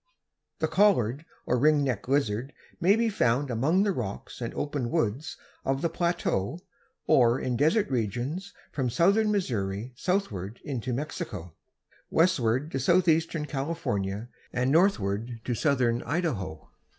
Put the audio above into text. _) The Collared or Ring necked Lizard may be found among the rocks and open woods of the plateau or in desert regions from southern Missouri southward into Mexico, westward to southeastern California and northward to southern Idaho.